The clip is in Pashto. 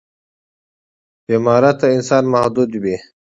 بې مهارته انسان محدود وي.